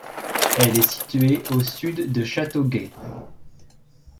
Elle est située au sud de Châteauguay.